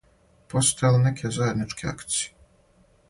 Постоје ли неке заједничке акције?